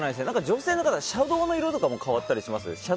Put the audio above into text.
女性の方はシャドーの色とかも変わったりします？